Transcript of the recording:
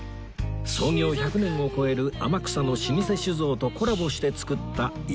創業１００年を超える天草の老舗酒造とコラボして造った池の露